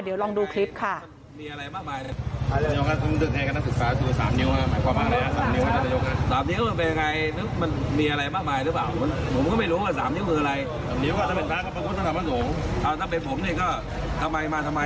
เดี๋ยวลองดูคลิปค่ะ